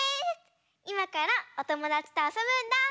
いまからおともだちとあそぶんだ！